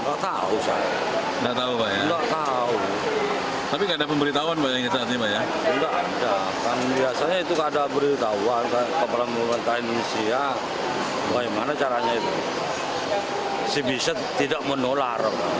enggak tahu saya cuma numpang enggak tahu saya enggak tahu pak ya enggak tahu tapi enggak ada pemberitahuan pak yang kita hati hati ya enggak ada kan biasanya itu ada pemberitahuan ke pemerintah indonesia bagaimana caranya itu si visa tidak menular pak